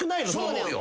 そうよ。